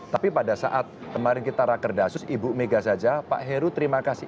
tapi pada saat kemarin kita raker dasus ibu mega saja pak heru terima kasih